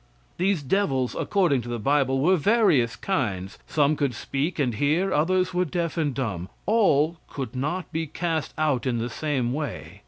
These devils, according to the bible, were various kinds some could speak and hear, others were deaf and dumb. All could not be cast out in the same way.